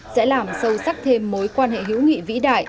sẽ làm sâu sắc thêm mối quan hệ hữu nghị vĩ đại